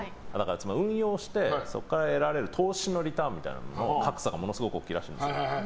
運用して、そこから得られる投資のリターンの格差がものすごく大きいらしくて。